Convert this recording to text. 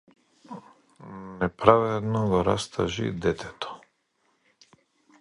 Неправедно го растажи детето.